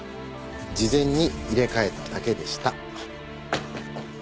事前に入れ替えただけでした。